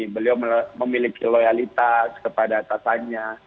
beliau memiliki loyalitas kepada atasannya